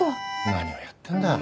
何をやってんだ。